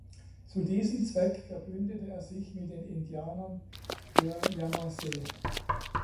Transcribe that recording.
Zu diesem Zweck verbündete er sich mit den Indianern der Yamasee.